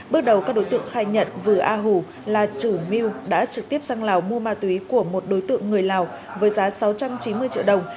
bước đầu các đối tượng khai nhận vừa a hù là chủ mưu đã trực tiếp sang lào mua ma túy của một đối tượng người lào với giá sáu trăm chín mươi triệu đồng